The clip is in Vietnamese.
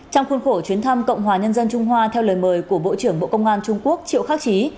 trong khuôn khổ chuyến thăm cộng hòa nhân dân trung hoa theo lời mời của bộ trưởng bộ công an trung quốc triệu khắc trí